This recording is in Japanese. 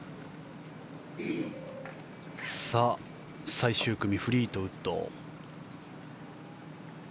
最終組、フリートウッド。